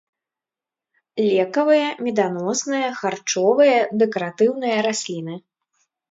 Лекавыя, меданосныя, харчовыя, дэкаратыўныя расліны.